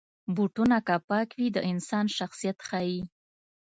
بوټونه که پاک وي، د انسان شخصیت ښيي.